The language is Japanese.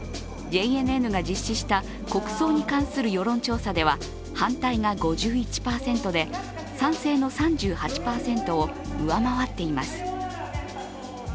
ＪＮＮが実施した国葬に関する世論調査では反対が５１％で、賛成の３８％を上回っています。